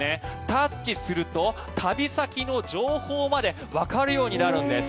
タッチすると旅先の情報までわかるようになるんです。